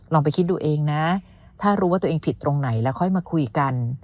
ไปคิดดูเองนะถ้ารู้ว่าตัวเองผิดตรงไหนแล้วค่อยมาคุยกัน